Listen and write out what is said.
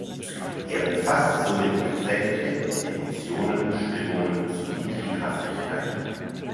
Er umfasst somit die Affekte, Emotionen, Stimmungen sowie die Triebhaftigkeit.